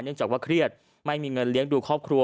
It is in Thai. จากว่าเครียดไม่มีเงินเลี้ยงดูครอบครัว